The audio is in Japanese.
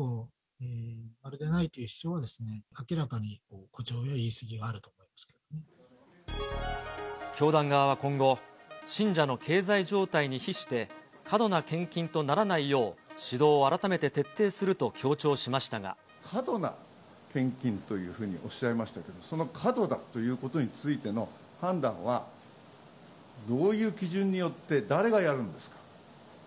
２００９年以降はまるでないというのは明らかに誇張や言い過ぎが教団側は今後、信者の経済状態に比して、過度な献金とならないよう、指導を改めて徹底すると過度な献金というふうにおっしゃいましたけど、その過度だということについての判断は、どういう基準によって誰がやるんですか。